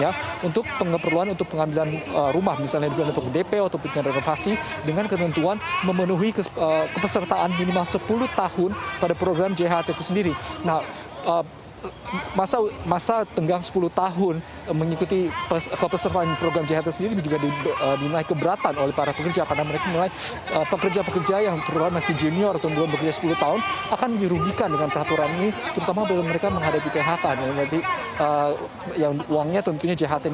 yang tadi didampingi oleh sekjen